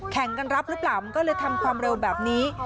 แข่งกันรับหรือเปล่ามันก็เลยทำความเร็วแบบนี้